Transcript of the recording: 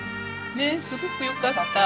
すごくよかった。